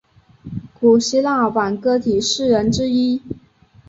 古希腊挽歌体诗人之一。